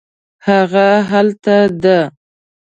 هغه هلته ده